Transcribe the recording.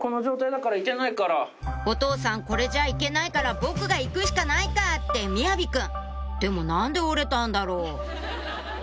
「お父さんこれじゃ行けないから僕が行くしかないか」って雅己くんでも何で折れたんだろう？